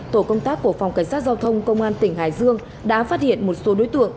tổ công tác của phòng cảnh sát giao thông công an tỉnh hải dương đã phát hiện một số đối tượng